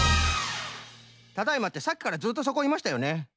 「ただいま」ってさっきからずっとそこいましたよね？